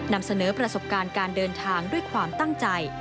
นำเสนอประสบการณ์การเดินทางด้วยความตั้งใจ